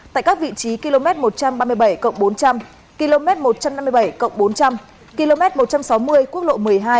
tại các vị trí km một trăm ba mươi bảy bốn trăm linh km một trăm năm mươi bảy bốn trăm linh km một trăm sáu mươi quốc lộ một mươi hai